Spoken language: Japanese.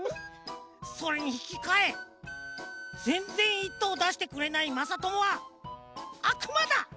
それにひきかえぜんぜん１とうだしてくれないまさともはあくまだ！